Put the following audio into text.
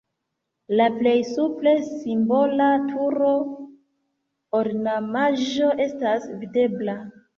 La plej supre simbola turo (ornamaĵo) estas videbla.